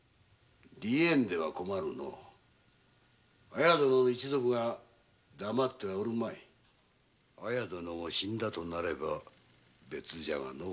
離縁では困るの綾殿の一族が黙ってはおるまい綾殿が死んだとなれば別じゃがの。